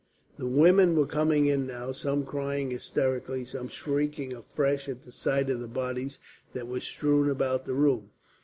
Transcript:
The women were coming in now, some crying hysterically, some shrieking afresh at the sight of the bodies that were strewn about the room.